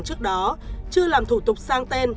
trước đó chưa làm thủ tục sang tên